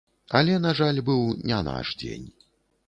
Але, на жаль, быў не наш дзень.